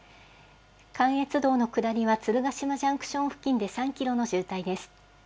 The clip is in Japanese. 関越道の下りは鶴ヶ島ジャンクション付近で３キロの渋滞です。